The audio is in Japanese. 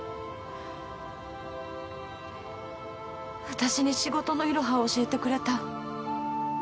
私に仕事のイロハを教えてくれた。